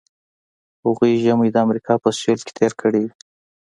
هغوی ژمی د امریکا په سویل کې تیر کړی وي